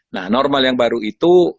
nah normal yang baru itu